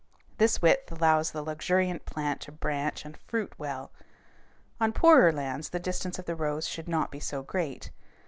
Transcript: This width allows the luxuriant plant to branch and fruit well. On poorer lands the distance of the rows should not be so great.